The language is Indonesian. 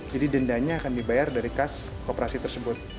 jadi dendanya akan dibayar dari kas kooperasi tersebut